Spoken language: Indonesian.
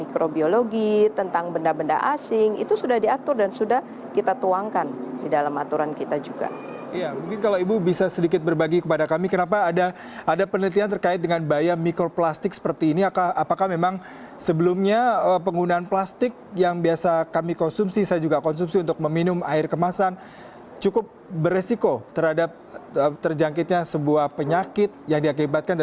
kaki tentang benda benda asing itu sudah diatur dan sudah kita tuangkan di dalam aturan kita juga